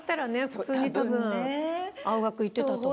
普通に多分青学行ってたと思う。